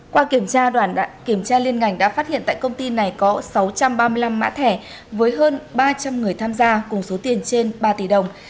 qua kiểm tra đoàn kiểm tra liên ngành đã phát hiện tại công ty này có sáu trăm ba mươi năm mã thẻ với hơn ba trăm linh người tham gia cùng số tiền trên ba tỷ đồng